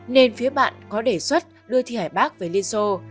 nên phía bạn có đề xuất đưa thi hải bác về liên xô